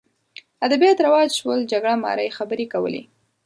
ادبیات رواج شول جګړه مارۍ خبرې کولې